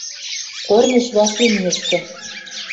Корнеш вӓшлимешкӹ.